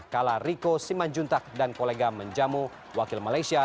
kalah rico simanjuntak dan kolega menjamu wakil malaysia